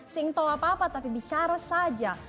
seng tau apa apa tapi bicara saja